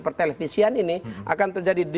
pertelevisian ini akan terjadi